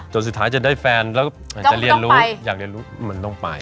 สุดท้ายจะได้แฟนแล้วก็อยากจะเรียนรู้อยากเรียนรู้มันต้องไป